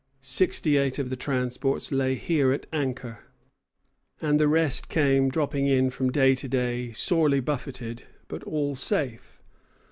Sixty eight of the transports lay here at anchor, and the rest came dropping in from day to day, sorely buffeted, but all safe.